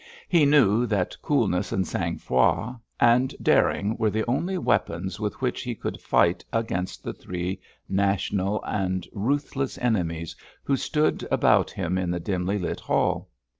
He knew that coolness and sang froid and daring were the only weapons with which he could fight against the three national and ruthless enemies who stood about him in the dimly lit hall.